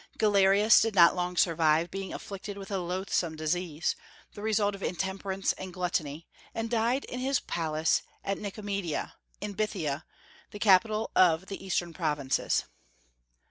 Galerius did not long survive, being afflicted with a loathsome disease, the result of intemperance and gluttony, and died in his palace in Nicomedia, in Bithynia, the capital of the Eastern provinces.